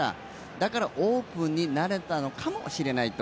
だからオープンになれたのかもしれないと。